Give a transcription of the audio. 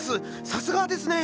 さすがですね！